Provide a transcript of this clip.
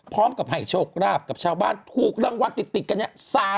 เพราะตอนกลางคืนเสียงดังบ้างครับเพราะว่า